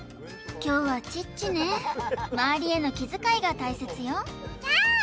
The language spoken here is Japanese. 凶はチッチね周りへの気遣いが大切よちゃん！